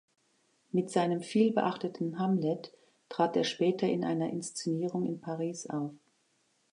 Mit seinem viel beachteten Hamlet trat er später in einer Inszenierung in Paris auf.